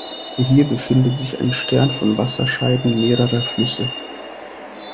Hier befindet sich ein Stern von Wasserscheiden mehrerer Flüsse.